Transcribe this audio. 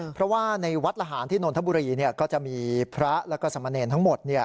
เพราะว่าในวัดละหารที่นนทบุรีก็จะมีพระแล้วก็สมเนรทั้งหมด